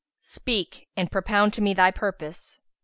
Speak and propound to me thy purpose."